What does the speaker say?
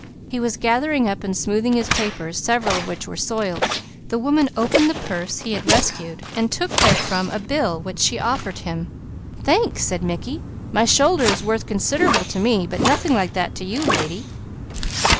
He was gathering up and smoothing his papers several of which were soiled. The woman opened the purse he had rescued, taking therefrom a bill which she offered him. "Thanks!" said Mickey. "My shoulder is worth considerable to me; but nothing like that to you, lady!"